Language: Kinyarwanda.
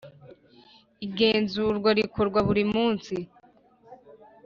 Igenzura rikorwa burimunsi.